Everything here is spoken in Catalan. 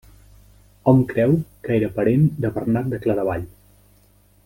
Hom creu que era parent de Bernat de Claravall.